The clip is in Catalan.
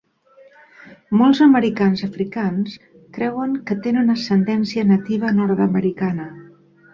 Molts Americans Africans creuen que tenen ascendència nativa nord-americana.